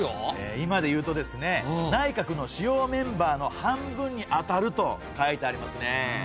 今でいうとですね内閣の主要メンバーの半分に当たると書いてありますね。